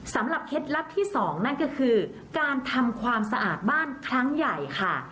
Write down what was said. เคล็ดลับที่๒นั่นก็คือการทำความสะอาดบ้านครั้งใหญ่ค่ะ